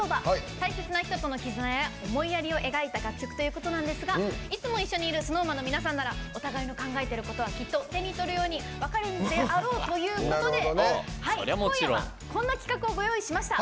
大切な人との絆や思いやりを描いた楽曲ということなんですがいつも一緒にいるＳｎｏｗＭａｎの皆さんならお互いの考えてることはきっと手に取るように分かるんであろうということで今夜はこんな企画をご用意しました。